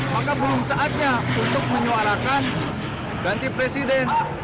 maka belum saatnya untuk menyuarakan ganti presiden